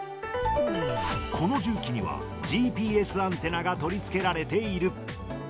この重機には、ＧＰＳアンテナが取り付けられている。